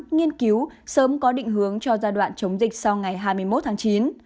nghiên cứu sớm có định hướng cho giai đoạn chống dịch sau ngày hai mươi một tháng chín